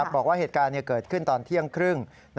บอกว่าเหตุการณ์เกิดขึ้นตอนเที่ยงครึ่ง